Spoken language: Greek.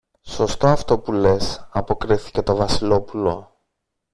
Σωστό αυτό που λες, αποκρίθηκε το Βασιλόπουλο.